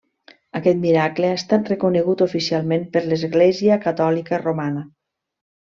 Aquest miracle ha estat reconegut oficialment per l'Església Catòlica Romana.